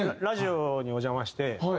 ラジオにお邪魔して。